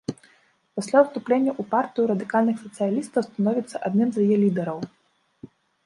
Пасля ўступлення ў партыю радыкальных сацыялістаў, становіцца адным з яе лідараў.